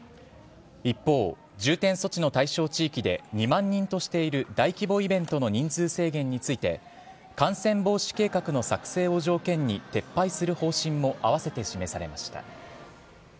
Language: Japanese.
一方、重点措置の対象地域で２万人としている大規模イベントの人数制限について感染防止計画の作成を条件に撤廃する方針も併せて示されました。